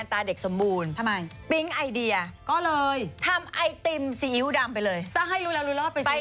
น้อยแต่พี่ว่าดีพี่ว่าได้เพราะว่าทำไม่ได้พี่